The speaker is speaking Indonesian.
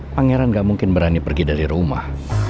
pangeran gak mungkin berani pergi dari rumah